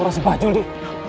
mau rasanya baju dia